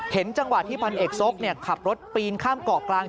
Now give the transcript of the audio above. จังหวะที่พันเอกซกขับรถปีนข้ามเกาะกลาง